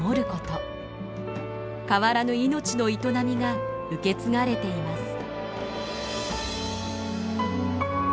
変わらぬ命の営みが受け継がれています。